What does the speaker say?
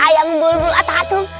ayam bulbul atahatung